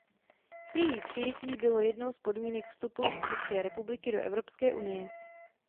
Její přijetí bylo jednou z podmínek vstupu České republiky do Evropské unie.